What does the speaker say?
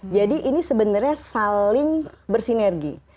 jadi ini sebenarnya saling bersinergi